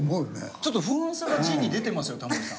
ちょっと不安さが字に出てますよタモリさん。